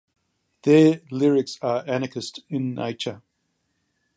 Their lyrics are anarchist in nature.